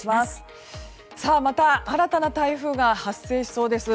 また新たな台風が発生しそうです。